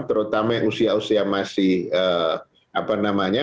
terutama yang usia usia masih apa namanya